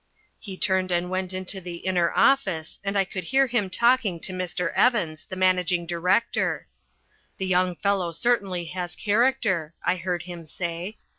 He turned and went into the inner office, and I could hear him talking to Mr. Evans, the managing director. "The young fellow certainly has character," I heard him say.